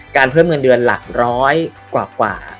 การเพิ่มเงินเดือนหลักร้อยกว่ากว่า